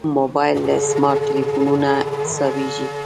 موبایل له سمارټ تلېفونه حسابېږي.